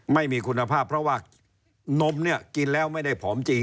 ไม่มีคุณภาพเพราะว่านมเนี่ยกินแล้วไม่ได้ผอมจริง